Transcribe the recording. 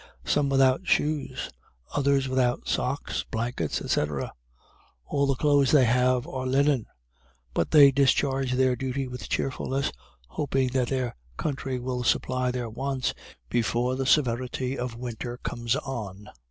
Some without shoes, others without socks, blankets, &c. All the clothes they have are linen; but they discharge their duty with cheerfulness, hoping that their country will supply their wants before the severity of winter comes on."